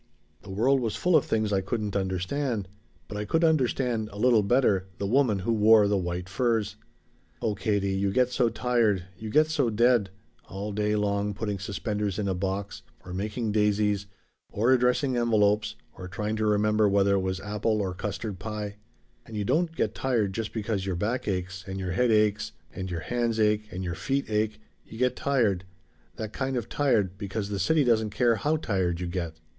"The world was full of things I couldn't understand, but I could understand a little better the woman who wore the white furs. "Oh Katie, you get so tired you get so dead all day long putting suspenders in a box or making daisies or addressing envelopes or trying to remember whether it was apple or custard pie "And you don't get tired just because your back aches and your head aches and your hands ache and your feet ache you get tired that kind of tired because the city doesn't care how tired you get!